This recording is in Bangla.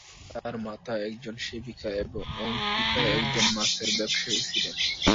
তার মাতা একজন সেবিকা এবং পিতা একজন মাছের ব্যবসায়ী ছিলেন।